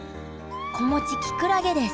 子持ちきくらげです